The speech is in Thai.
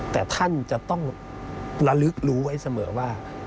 แต่ท่านจะต้องระลึกรู้ไว้เสมอว่า